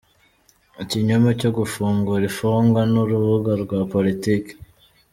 Ikinyoma cyo gufungura infungwa n’urubuga rwa politiki